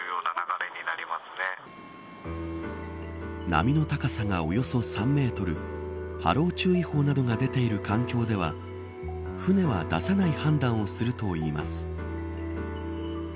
波の高さが、およそ３メートル波浪注意報などが出ている環境では船は出さない判断をするといいます。